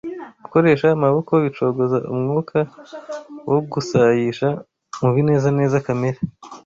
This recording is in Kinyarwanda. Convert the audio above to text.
Gukoresha amaboko bicogoza umwuka wo gusayisha mu binezeza kamere